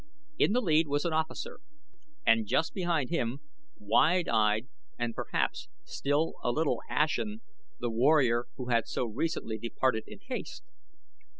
In the lead was an officer, and just behind him, wide eyed and perhaps still a little ashen, the warrior who had so recently departed in haste.